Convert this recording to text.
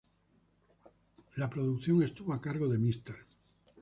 La producción estuvo a cargo de Mr.